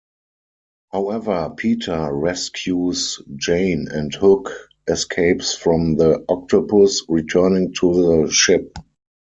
However, Peter rescues Jane and Hook escapes from the octopus, returning to the ship.